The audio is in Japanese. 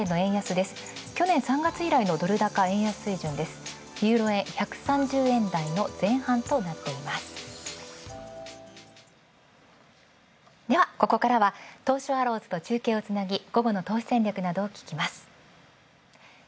ではここからは東証アローズと中継をつなぎ、午後の投資戦略を聞きます。